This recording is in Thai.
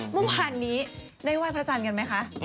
เมื่อวานนี้ได้ไหว้พระจันทร์กันไหมคะ